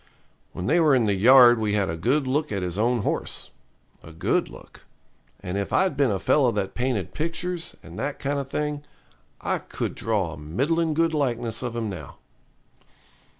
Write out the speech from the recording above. When they were in the yard we had a good look at his own horse a good look and if I'd been a fellow that painted pictures, and that kind of thing, I could draw a middlin' good likeness of him now.